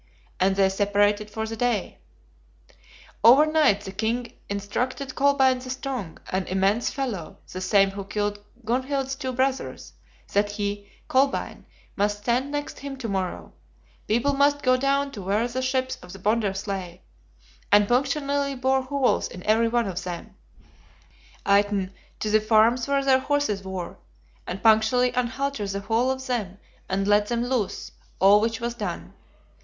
And they separated for the day." Overnight the king instructed Kolbein the Strong, an immense fellow, the same who killed Gunhild's two brothers, that he, Kolbein, must stand next him to morrow; people must go down to where the ships of the Bonders lay, and punctually bore holes in every one of them; item, to the farms where their horses wore, and punctually unhalter the whole of them, and let them loose: all which was done.